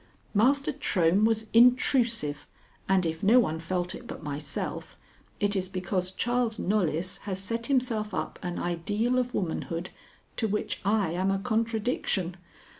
Master Trohm was intrusive, and, if no one felt it but myself, it is because Charles Knollys has set himself up an ideal of womanhood to which I am a contradiction.